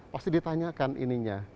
pasti ditanyakan ininya